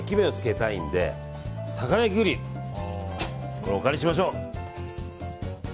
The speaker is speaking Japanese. これお借りしましょう。